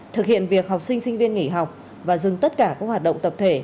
thực hiện việc học sinh sinh viên nghỉ học và dừng tất cả các hoạt động tập thể